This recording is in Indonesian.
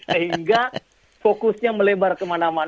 sehingga fokusnya melebar kemana mana